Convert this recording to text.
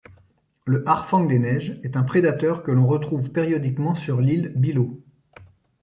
Le Harfang des neiges est un prédateur que l’on retrouve périodiquement sur l’Île Bylot.